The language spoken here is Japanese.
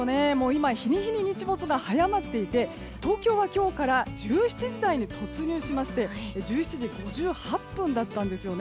今、日に日に日没が早まっていて東京は今日から１７時台に突入しまして１７時５８分だったんです。